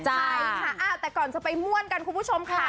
ใช่ค่ะแต่ก่อนจะไปม่วนกันคุณผู้ชมค่ะ